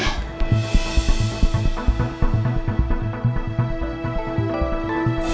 neng andin dia keluarga neng andin